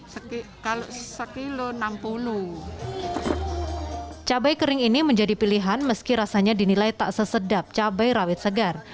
sekilo enam puluh cabai kering ini menjadi pilihan meski rasanya dinilai tak sesedap cabai rawit segar